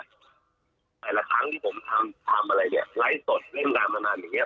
แต่ละครั้งที่ผมทำทำอะไรเนี่ยไลฟ์สดเล่นงานมานานอย่างเงี้